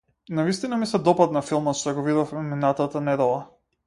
Навистина ми се допадна филмот што го видовме минатата недела.